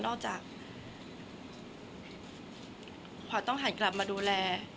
คนเราถ้าใช้ชีวิตมาจนถึงอายุขนาดนี้แล้วค่ะ